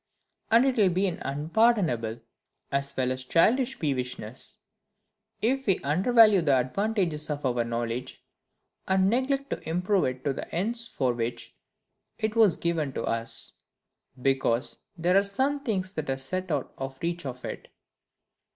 And it will be an unpardonable, as well as childish peevishness, if we undervalue the advantages of our knowledge, and neglect to improve it to the ends for which it was given us, because there are some things that are set out of the reach of it.